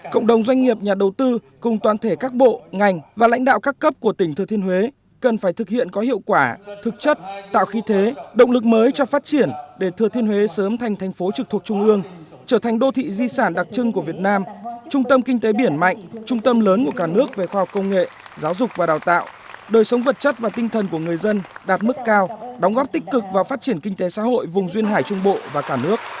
cộng đồng doanh nghiệp nhà đầu tư cùng toàn thể các bộ ngành và lãnh đạo các cấp của tỉnh thừa thiên huế cần phải thực hiện có hiệu quả thực chất tạo khí thế động lực mới cho phát triển để thừa thiên huế sớm thành thành phố trực thuộc trung ương trở thành đô thị di sản đặc trưng của việt nam trung tâm kinh tế biển mạnh trung tâm lớn của cả nước về khoa học công nghệ giáo dục và đào tạo đời sống vật chất và tinh thần của người dân đạt mức cao đóng góp tích cực vào phát triển kinh tế xã hội vùng duyên hải trung bộ và cả nước